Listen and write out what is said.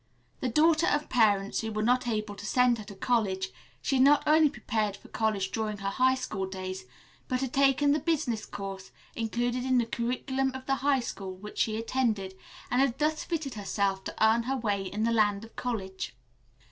The daughter of parents who were not able to send her to college, she had not only prepared for college during her high school days, but had taken the business course included in the curriculum of the high school which she attended, and had thus fitted herself to earn her way in the Land of College.